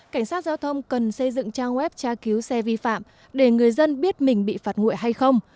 cảnh sát giao thông cần xây dựng trang web tra cứu xe vi phạm để người dân biết mình bị phạt nguội hay không